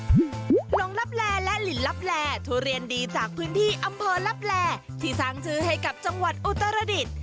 หลงลับแลและลินลับแลทุเรียนดีจากพื้นที่อำเภอลับแลที่สร้างชื่อให้กับจังหวัดอุตรดิษฐ์